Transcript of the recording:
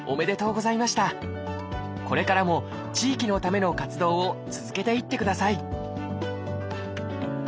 これからも地域のための活動を続けていってください